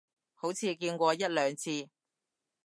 好似見過一兩次